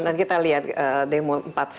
dan kita lihat demo empat sebelas